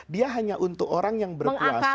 dia hanya untuk orang yang berpuasa